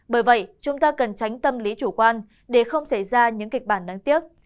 bởi vậy chúng ta cần tránh tâm lý chủ quan để không xảy ra những kịch bản đáng tiếc